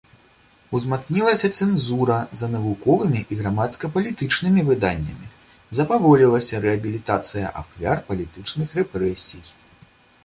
Узмацнілася цэнзура за навуковымі і грамадска-палітычнымі выданнямі, запаволілася рэабілітацыя ахвяр палітычных рэпрэсій.